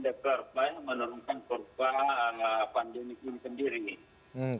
deklarasi menurunkan kurva pandemi ini sendiri